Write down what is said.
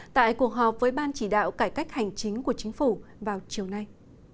tại cuộc họp với ban chỉ đạo cải cách hành chính của chính phủ vào chiều nay